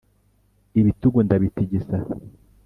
Ibitugu ndabitigisa